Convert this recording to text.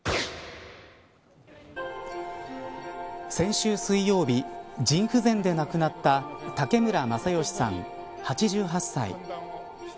先週水曜日腎不全で亡くなった武村正義さん、８８歳。